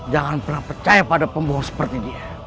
jangan pernah percaya pada pembohong seperti dia